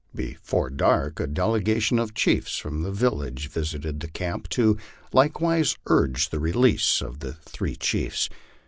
Before dark a delegation of chiefs from the village visited camp to like wise urge the release of the three chiefs.